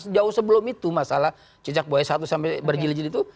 sejauh sebelum itu masalah cecak buaya satu sampai berjilid jilid itu